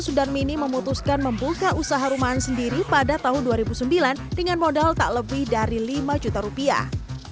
sudarmini memutuskan membuka usaha rumahan sendiri pada tahun dua ribu sembilan dengan modal tak lebih dari lima juta rupiah